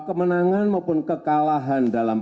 kemenangan maupun kekalahan dalam